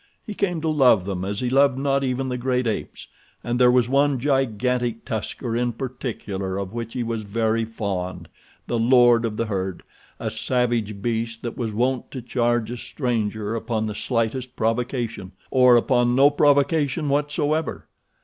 He came to love them as he loved not even the great apes, and there was one gigantic tusker in particular of which he was very fond—the lord of the herd—a savage beast that was wont to charge a stranger upon the slightest provocation, or upon no provocation whatsoever.